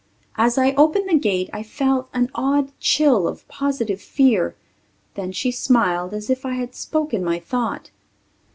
As I opened the gate I felt an odd chill of positive fear. Then she smiled as if I had spoken my thought.